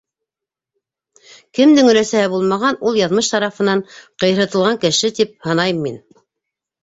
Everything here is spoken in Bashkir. Кемдең өләсәһе булмаған - ул яҙмыш тарафынан ҡыйырһытылған кеше, тип һанайым мин.